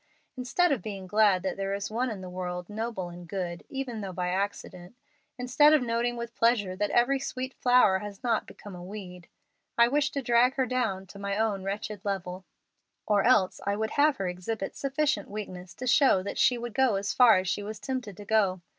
Instead of being glad that there is one in the world noble and good, even though by accident instead of noting with pleasure that every sweet flower has not become a weed I wish to drag her down to my own wretched level, or else I would have her exhibit sufficient weakness to show that she would go as far as she was tempted to go.